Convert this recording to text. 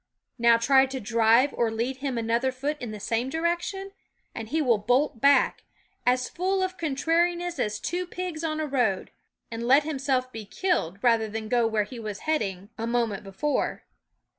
Now try to drive or lead him another foot in the same direction, and he will bolt back, as full of contrariness as two pigs on a road, and let himself be killed rather than go where he was heading a THE WOODS moment before.